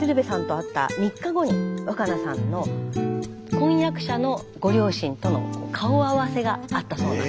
鶴瓶さんと会った３日後に和可菜さんの婚約者のご両親との顔合わせがあったそうです。